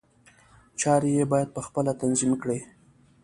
چارې یې باید په خپله تنظیم کړي.